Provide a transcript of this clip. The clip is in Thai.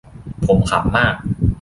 ผมขำมาก